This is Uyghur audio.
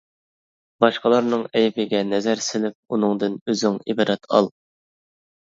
باشقىلارنىڭ ئەيىبىگە نەزەر سېلىپ، ئۇنىڭدىن ئۆزۈڭ ئىبرەت ئال.